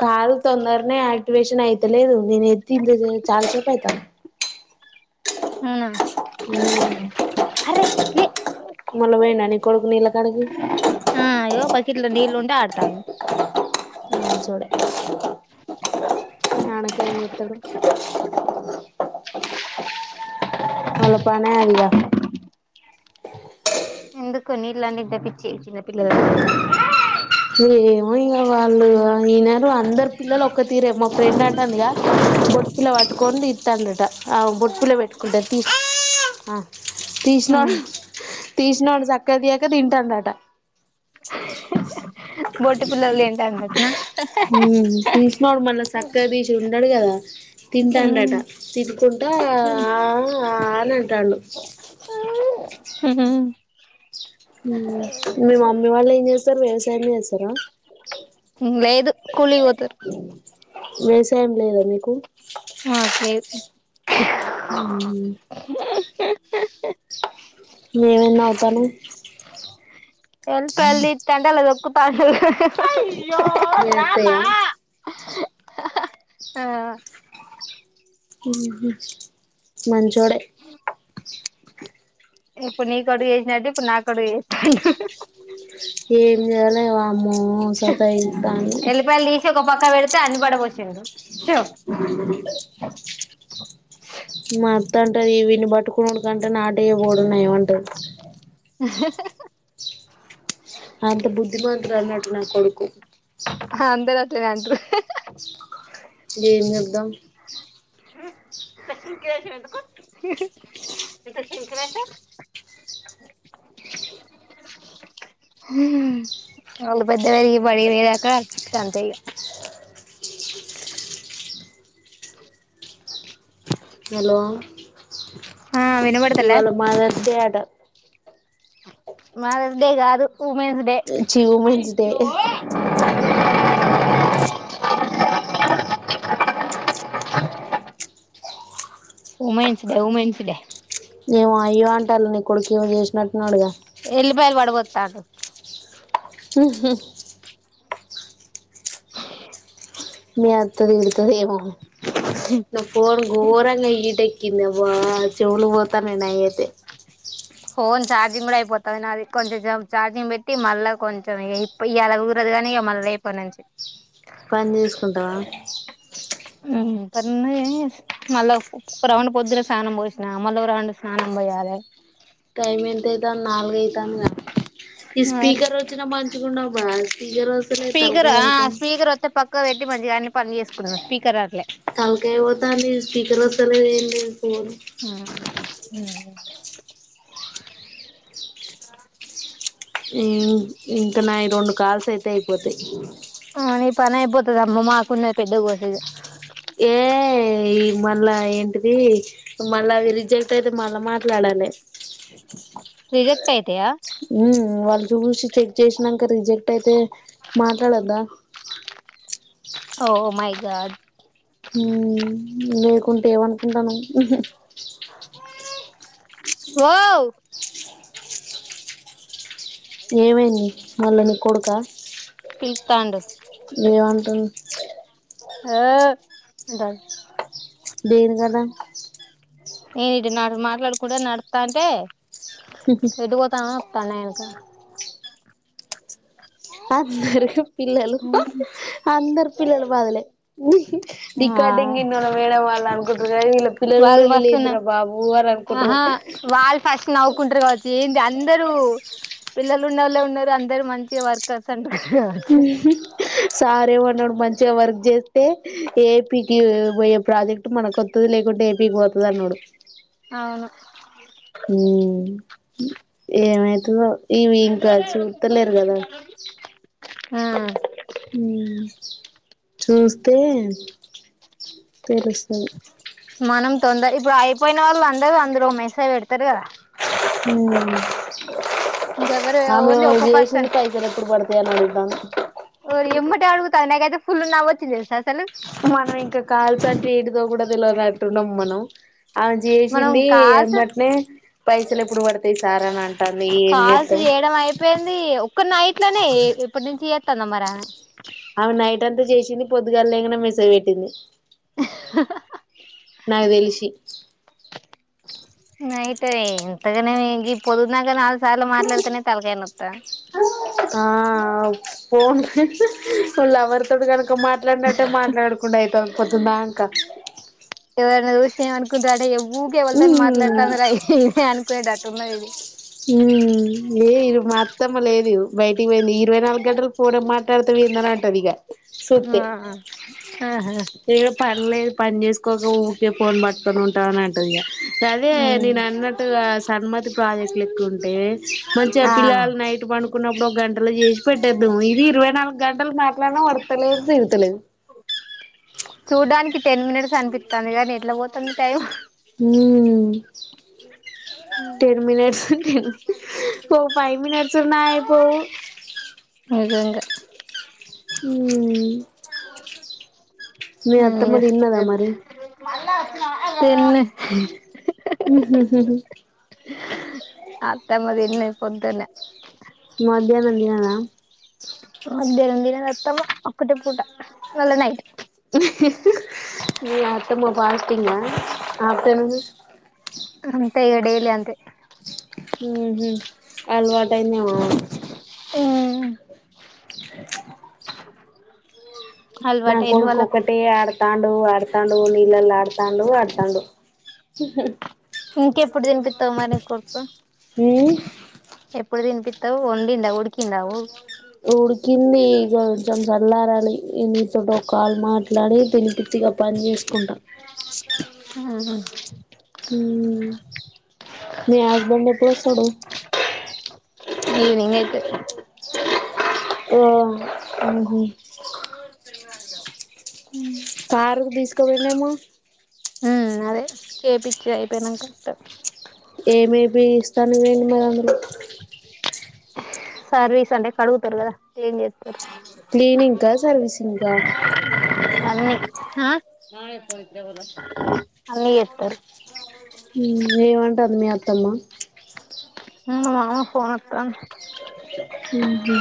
Car తొందరనే activation అయితు తేలిదు చాల సేపు అయితాంది మనం ఉమ్ మ్మ్ కే మోన్న పొయిన్న నీ కొడుకు లా ఇంటికాడికి ఇ [unintelligible] ట్ల నీ బొండి ఆడతాంది నిన్ చూడ అనక ఎత్తుడు వాళ్ళ పనే అదిగా ఎడికొ నీళ్ళన్ని పంపిచ్చెకి చిన్న పిల్లా ఏమో ఇక వాళ్ళు వినరు అందరు పిల్లలు ఒక్క తీరే మా ఫ్రెండ్ అంటాంది బొట్ పిల్ల పట్టుకొని తింటాండట ఆ బొట్టు పిల్ల పెట్టుకుంటాారు తీ తీసినడు తీసినవాడు చక్కగా తీయాక తింటాండట బొట్టి పిల్లలు తింటారు అట్నా తీసినడు మళ్ళా చక్కగా తీసి ఉన్నాడు కదా తింటాండంట అనుకుంటా ఆవును అని అంటాండు హ్మ్ మీ మమ్మీ వాళ్ళు ఏం చేస్తారు వ్యవసాయం మే చేస్తారా లేదు కూలీకి పోతారు వేసాన లేదా మీకు నాక్ ఏవ్ మేమేన్న నాగతాన [unintelligible] దాని తల్లి తంటాల పొమ్ కు టా మీత్తయా ఆ ఉఓహ మంజోడే ఇప్పుడు నీ కొడుగు చేసినాట్టు ఇప్పుడు నా కొడుగు చేస్తుండు ఏం చేయాలి వామ్ము సతాయిస్తాను ఓ పక్క పెడితే అన్ని పడ పోసిండు స మత్త అంటది విీన్ని పట్టుకునే వాడుకంటే నాటయ్యబడున్నాయమంటది అంత బుద్ధిమంతురాలు అన్నట్టు నా కొడుకు హ అంతే కా టారూ ఏం చేద్దాం అ హ్మ్మ్ వాళ్ళు పెద్ద వరి బడికి పోయేదాకా అంతే ఈగ హలో ఆ వినబడతలే ఇవాళ మదర్స్ డే ఆటా మదర్స్ డే కాదు వుమెన్స్ డే చి women's day women's day women's day ఏేం అయ్య అంటాల నీ కొడుకు ఏంో చేసినట్టున్నాడుగా ఎల్లి బయలు పడిపోతాడు హ మీ అతది విత ఏమో ఇ ఫోన్ ఘోరంగా హీట్కింది బా చెవుళు పోతానాయి నావి అయితే ఫోన్ ఛార్జింగ్ కూడా అయిపోతుంది నాది కొంచెం చఛార్జింగ్ పెట్టి మళ్ళీ కొంచెం ఇ అలా కురదు కానిక మళ్ళీ అయిపోనుంచి పని చేసుకుంటావా హ్మ్మ్ ప మళ్ళా ఒక రౌండ్ పొద్దున స్నానం పోసినా మళ్ళీ ఒక రౌండు స్నానం పోయాలి టైమ్ ఎంత అయితంది నాలుగ అయితాందా ఈ మరి స్పీకర్ వచ్చినా మంచికుండ బాస్ స్పీకర్ స్పీకర్ వచ్చతే పక్క వ మంచిగాన్ని పలు చేసుకున్నాం స్పీకర్ రావట్లే తాలకాయపోతంది స్పీకర్ వస్తేలదు ఏం లేదు ఫోన్ ఆ ఇంకా నాయి ఈ రెండు కాల్స్ అయితే [unintelligible] ఆ నీ పని అయిపోతుది అమ్మ మాకున్నది పెద్ద కోసేది ఏ ఈ మళ్ళా ఏంటిది మళ్ళా రిజెక్ట్ అయితే మళ్ళా మాట్లాడాలి రిజెక్ట్ అయితయ ఉమ్ వాళ్ళు చూసి చెక్ చేసినాక రిజెక్ట్ అయితే మాట్లాడద్దా ఓ మైగాడ్ ఊ లేకుంటే ఏమనుకుంటానావ్ ఓ ఏమైంది మళ్ళ నీ కొడుక పిలుత్తాండు ఏమంటుంది [inaudible] ఆ ఉంట డేరు కదా ఏనుంటి నాడు మాట్లాడకుండా నడుస్తా అంటే ఎటు పోత అని వత్తాండూ ఎనక అందరకి పిల్లలు అందరు పిల్లలు బాధలే ఆ రికార్డింగ్న్న వేయడం వాళ్ళ అను వాళ్ళు వస్తున్న బాబు అని అనుకుంటారు ఆహా వాళ్ళు ఫస్ట్ నవ్వుకుంటారు కావచ్చు ఏంటి అ అందరు పిల్లలు ఉన్నళ్ళ ఉన్నారు అందరు మంచి వర్కర్స్ అంటారు కావచ్చు [inaudible] సారేమన్నాడు మంచిగా వర్క్ చేస్త ఏ ఏపీకి పోయే ప్రాజెక్ట్ మనకుొతుది లేకుంటే ఏపీకి పోతుంది అన్నాడు అవును ఉమ్ ఏమైతదో ఇవి ఇంకా చూతలేరు కదా ఆఆ హ చూస్తే తెలుసు మనం తొందర ఇప్పుడు అయిపోయిన వాళ్ళు అందరు అందరూ మెసేజ్ పెడతారు కదా హ ఇంకెవరు ఆమె ఓన్లీ ఒక చేసింది పర్సన్ పైసలు ఎపుడు పడతాయి అంటుంది దా ఓ ఎమ్మటటి అడుగుతాక అతే ఫుల్ నావ వచ్చంది తెసా సలు మనం ఇంకా కాల్స్ అంటే ఏటిదో కూడా తెల్వదటున్నాం మనం అ మనం చేసింది కాల్స్ ఎమట్నే పైసలు ఎప్పుడు పడతయి [unintelligible] కాల్స్ చేయడం అయిపోయింది ఒక్క నైట్ లోనే ఇప్పటి నుంచి టాందా మారి ఆమె ఆవి నైట్ అంతా చేసింది పొద్దుగాల లేంగానే మెసేజ్ పెట్టింది నాకు తెలిసి నైట్ ఇంతగానే ఈ పొద్దుందంక నాలుగు సార్లు మాట్లాడితేనే తలకాయ్ నోతాంది ఆ అవ్ ఫోన్ ఓ లవర్ తోట్ గడుప్ తో మాట్లాడినట్టే మాట్లాడకునూడైతంది పోదుంధనుక షి ఏమనుకుంట రంటే ఏవ్ ఊకే ఎవల్తోని మాట్లాడుతాంద్ర ఇది అనుకునేటట్ తున్నాదిది హు ఈ మా ఇది మా అత్తమ్మ లేదు బైటికీ పోయింది ఇరవై నాలో గంటలు ఫోనె మాట్లాడుతవ్ ఎందిఅని అంట్టధిగ సూతే ఆ ఆహా ఇగ పని లేద్ పని చేసుకో ఊకే ఫోన్ పట్టుకొని ఉంటావని అంటదిగా గదే నిన్నట్టుగా సన్మతి ప్రాజెక్ట్ లే కుంటే మంచిగా ఆ పిల్లలు నైట్ పండు న్నప్పుడు ఒక గంటల చేసి పెట్టేద్దుము ఇది ఇరవై నాలుగు గంటలు మట్ ట్లాడిన ఒడ్త లేదు తిరుతలేదు చూడ్డానికి టెన్ మినిట్స్ అనిపితంది గానీ ఎట్లా పోతుంది టైం హ్మ్ టెన్ మనిట్స్ ఓ ఫైవ్ మినిట్స్ ఉన్న ఐపోవు నిజంగా హుమ్ మీ అత్ త్తమ్మ తిన్నదా మరి తిన్న జ మ్ హు హు అత్తమ్మ తిన్నది పొద్దున మధ్యాహ్నం తినదా మధ్యాహనం తినది అత్తమ్మ ఒక్కటే పూట మళ్ళ నైట్ మీ అత్తమ్మ పాడ్ తిన్న ఆ సెల్ చుస్ ట ఇగ డైలీ అంతే మ్ హు అల్వాటైదేమో ఆమెక్ ఆ స నా అలవాటయింది కొడుకు వాళ్ళకు ఒకటే ఆడుతాండూ ఆడుతాండు నీళ్లల్ల ఆడ్ తాండూ వడుతండు ఇంకెప్పుడు తినిపితావ్ మరి కొడుక్కు హుమ్ ఎప్పుడు తినిపిత్తావు వండిందా ఉడికిందావు ఉడుకింది ఇ కొంచెం చల్లారాలి నీతోటి ఒక కాల్ మాట్లాడి తినిపిత్తిగా పని చేసుకుంటా. ఆహాహ మ్మ్ మీ హస్బెండ్ ఎప్పుడు వస్తాడు ఈవెనింగ్ అయితది ఓ మ్మ్ హ్మ్ కారుకు దీసుకుపోయిన్నేమో మ్మ్ అదే చేపిచ్చి అయిపోయినంక వత్తా ఏమే బిస్తాను వోయిండు మరందరూ సర్వీస్ అంటే కడుగుతరు కదా క్లీన్ జే క్లీనింగ్ కా సర్వీసింగ్ కా అన్నీ జేత్తరు మ్మ్ ఏవంటంది మీ అత్తమ్మ మ్మ్ మా మామ ఫోన్ ఎత్తలే ఉహు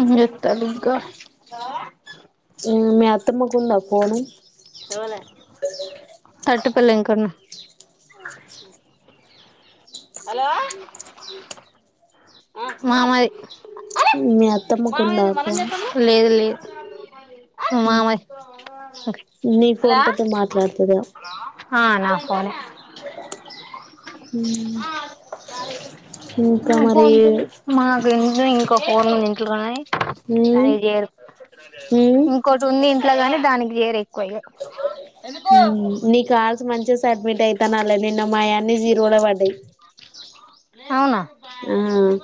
ఏం జేత్తలే ఇంకా మీ అత్తమ్మకు ఉందా ఫోను [unintelligible] హలో మ మాది మీ అత్తమ్మకు ఉందా ఫోన్ హలో నీ ఫోన్ తోటి మాట్లాడుతదా ఫోని హ్మ్ ఇంకా నా మరి ఫోన్ పేలో ఫోన్ ఇంట్లోనే ఉమ్ [unintelligible] ఉమ్ ఇంకోట్ ఉన్నిన్ అట్లాగాని దానికి చేరి ఎక్కువయ్య నీ కాల్సిన మంచెస్ అడ్మిట్ అయితనాలే నిన్న మాయన్ని జీరోలో పడ్డాయి అవునా ఆ బాయ వళ్ వ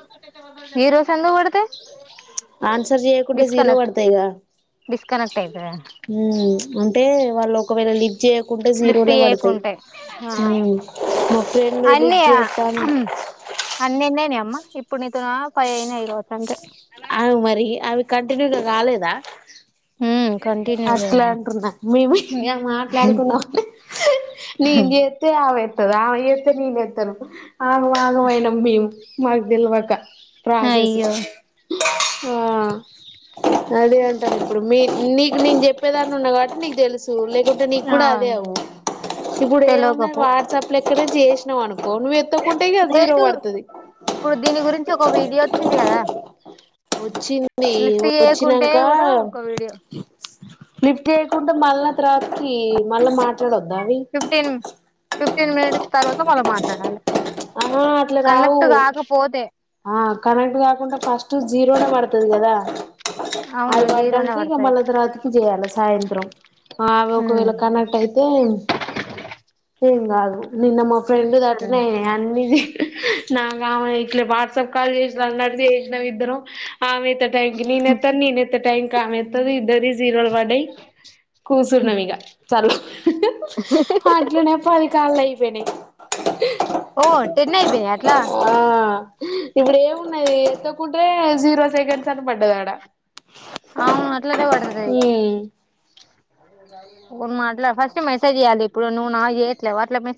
పె ఈ రోసు ఎందుకు పడుతయ్ ప్చ్ ఆన్సర్ చేయకుంటే జీరో పడతయిగా, డిస్కనెక్ట్ అయితదా మ్మ్ ప్చ్ అంటే వాళ్ళు ఒకవేళ లిఫ్ట్ చేయకుంటే లిఫ్ట్ జీరోలే పడతాయి చేయకుంటే ఆ హ్మ్ ఓ. రెండు లీజ్ అన్నీ చేత్తాను అన్ని ఎన్నయినయ్ అమ్మ ఇప్పుడు నీతోనా ఫైవ్ అయినాయ్ కావచ్చు అంతే ఆవ్ మరి అవి కంటిన్యూగా రాలేదా ఉమ్ కంటిన్యూ అట్లా చెయ్ అంటున్నా మేము మాట్లాడుకున్న నేను చేస్తే ఆమె వస్తను ఆమె చేస్తే నేనుస్తాను [unintelligible] ఆగ ఆగ వైననబం [unintelligible] మాకు తెల్వక ప్రాసెస్ అయ్యో ఆ అదే అంటారు ఇప్పుడు మీ అ [unintelligible] నేన్ చెప్ చెప్పేదాన్ని ఉన్న కాబట్టి నీకు తెలుసు లేకుంటే ఆ నీక్కూడా అదే అవు ఇప్పుడు ఏమున్నా తెలవకపో వాట్సాప్ లో ఎక్కడే చేస్ [unintelligible] తోను ఎత్తకుంటే ఇక జీరో లేదు పడుతది ఇప్పుడు దీని గురించి ఒక వీడియో వచ్చింది కదా వచ్చింది లిఫ్ట్ చేయకుంటే వచ్చినాక కూడా ఒక వీడియో లిఫ్ట్ చేేయకుండా మళ్ళా రాత్రి మళ్ళ మాట్ చడంద బ ఫిఫ్టీన్ [unintelligible] ఫిఫ్టీన్ మినిట్స్ తర్వాత మళ్ల మాట్లాడాల ఆహా అట్లా రావు కాకపోతే ఆ కనెక్ట్ కాకుండా ఫస్ట్ జీరోనే పడతది కదా అవును అవి జీరోనే పడ్డానికి ఇక పడతది మళ్ళ తరాతికి చేయాల సాయంత్రం అవి ఒకవేళ కనెక్ట్ అయితే ఏమ్ కాదు నిన్న మా ఫ్రెండ్ ది అటనే బిజి నాగా ఆమె ఇట్లే వాట్సాప్ కాల్ చేసినా అడి చేసినవి ఇద్దరం [unintelligible] ఆమె ఎత్తె టైంకి నేన్ ఎత్తన్ నేను ఎత్తె టైం మెేతది ఇద్దరి జీరో [unintelligible] వాడ కూచర్న్నా ఇక చల అట్లనే పది కాళ్ళు అయిపోయినాయి [unintelligible] ఓ టెన్ అయిపోయినయ అట్లా ఆ తకుంట్రే జీరో సెకెండ్స్ అట పడ్డది ఆడ అవును అట్లనేే పడతది ఉమ్ ఫోన్ మాట్లా ఫస్ట్ మెసేజ్యాలి ఇప్పుడు నువ్వునాకు చేయట్లేవ అట్ల మె